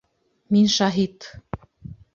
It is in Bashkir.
Мин шаһит!